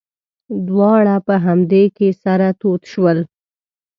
دواړه په همدې کې سره تود شول.